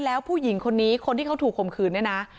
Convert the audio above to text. แล้วผู้หญิงคนนี้คนที่เขาถูกข่มขืนเนี่ยนะ